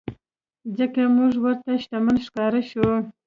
ځکه مونږ ورته شتمن ښکاره شوو.